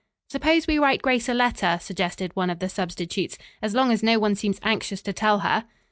"Suppose we write Grace a letter," suggested one of the substitutes, "as long as no one seems anxious to tell her."